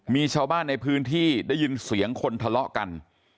มีชาวบ้านในพื้นที่ได้ยินเสียงคนทะเลาะกัน